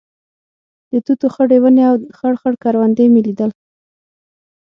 د توتو خړې ونې او خړ خړ کروندې مې لیدل.